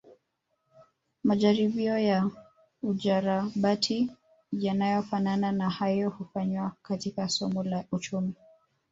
Majaribio ya ujarabati yanayofanana na hayo hufanywa katika somo la uchumi